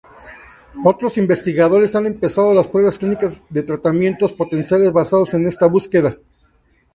Otros investigadores han empezado las pruebas clínicas de tratamientos potenciales basados en esta búsqueda.